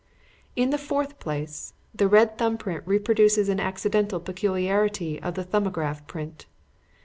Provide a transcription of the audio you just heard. "In the fourth place, the red thumb print reproduces an accidental peculiarity of the 'Thumbograph' print.